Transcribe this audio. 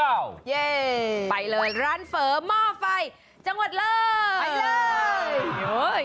ไปเลย